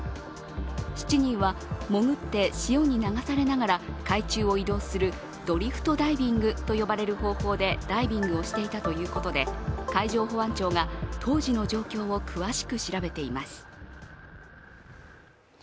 ７人は潜って潮に流されながら海中を移動するドリフトダイビングと呼ばれる方法でダイビングをしていたということで海上保安庁が当時の状況を詳しく調べています。